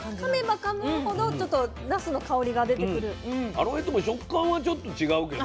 アロエとも食感はちょっと違うけど。